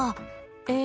え